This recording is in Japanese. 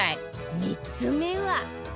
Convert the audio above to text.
３つ目は